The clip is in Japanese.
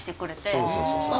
そうそうそうそう。